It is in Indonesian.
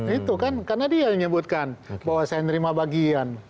itu kan karena dia yang nyebutkan bahwa saya menerima bagian